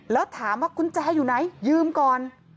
แล้วถามว่ากุญแจอยู่ไหนยืมก่อน